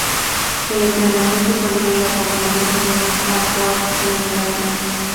El enterramiento solía ir acompañado de un ajuar funerario.